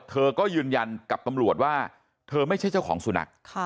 เธอก็ยืนยันกับตำรวจว่าเธอไม่ใช่เจ้าของสุนัข